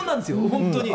本当に。